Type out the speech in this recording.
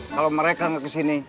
kalau mereka gak kesini